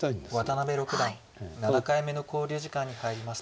渡辺六段７回目の考慮時間に入りました。